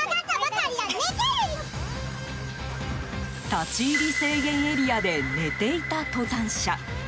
立ち入り制限エリアで寝ていた登山者。